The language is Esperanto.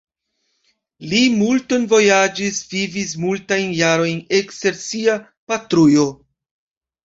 Li multon vojaĝis, vivis multajn jarojn ekster sia patrujo.